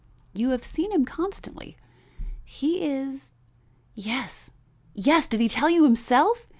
You have seen him constantly. He is " "Yes, yes; did he tell you himself?